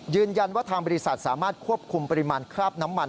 ยืนยันว่าทางบริษัทสามารถควบคุมปริมาณคราบน้ำมัน